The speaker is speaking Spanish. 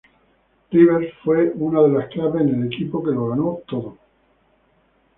Rivers fue una de las claves en el equipo que lo ganó todo.